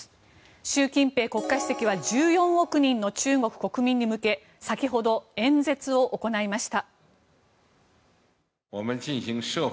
習近平国家主席は１４億人の中国国民に向け先ほど演説を行いました。